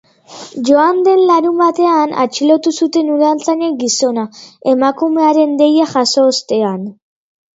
Joan den larunbatean atxilotu zuten udaltzainek gizona, emakumearen deia jaso ostean.